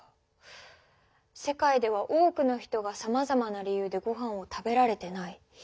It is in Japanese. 世界では多くの人がさまざまな理由でごはんを食べられてない。